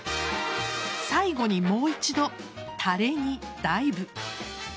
最後にもう一度、タレにダイブ。